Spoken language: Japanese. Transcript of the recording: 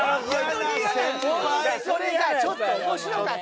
それがちょっと面白かった。